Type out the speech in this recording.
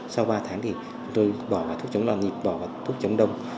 sau ba tháng thì chúng tôi bỏ vào thuốc chống lo niệm bỏ vào thuốc chống đông